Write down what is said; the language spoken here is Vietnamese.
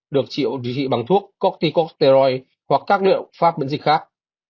được triệu trị bằng thuốc corticosteroids hoặc các liệu pháp bệnh dịch khác